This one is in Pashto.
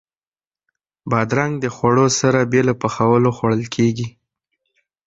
بادرنګ د خوړو سره بې له پخولو خوړل کېږي.